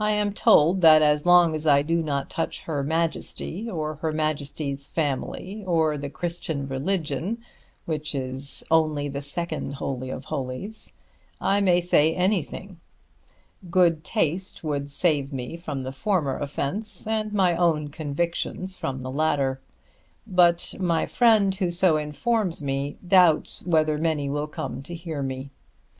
I am told that as long as I do not touch Her Majesty or Her Majesty's family, or the Christian religion, which is only the second Holy of Holies, I may say anything. Good taste would save me from the former offence, and my own convictions from the latter. But my friend who so informs me doubts whether many will come to hear me.